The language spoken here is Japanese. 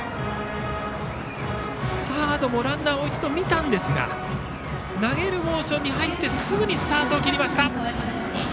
サードもランナーを一度見たんですが投げるモーションに入ってすぐにスタートを切りました。